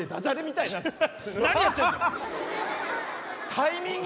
タイミング！